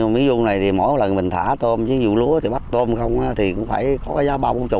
ví dụ này thì mỗi lần mình thả tôm ví dụ lúa thì bắt tôm không thì cũng phải có giá ba bốn mươi